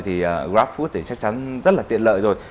thì grabfood thì chắc chắn rất là tiện lợi rồi